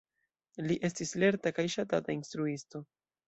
Li estis lerta kaj ŝatata instruisto.